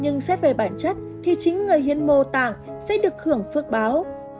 nhưng xét về bản chất thì chính người hiến mô tạng sẽ được hưởng phước báo